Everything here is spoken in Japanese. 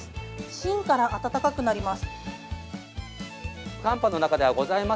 芯から温かくなります。